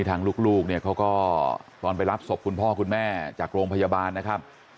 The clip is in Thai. ทางลูกเนี่ยเขาก็ตอนไปรับศพคุณพ่อคุณแม่จากโรงพยาบาลนะครับ